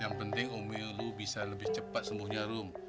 yang penting umi lu bisa lebih cepat sembuhnya rum